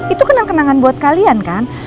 itu kenang kenangan buat kalian kan